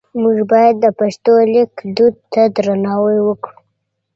موږ باید د پښتو لیک دود ته درناوی وکړو.